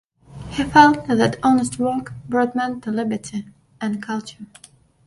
He felt that honest work brought men to liberty and culture.